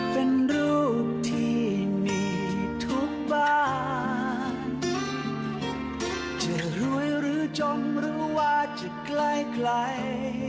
เพื่อรวยหรือจมหรือว่าจะใกล้ใกล้